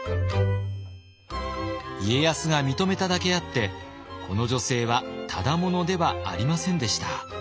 家康が認めただけあってこの女性はただ者ではありませんでした。